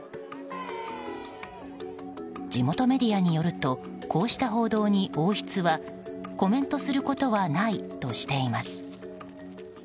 地元メディアによるとこうした報道に王室は、コメントすることはないとしています。